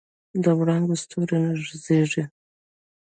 د وړانګو ستوري زیږي